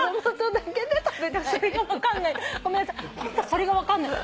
それが分かんない。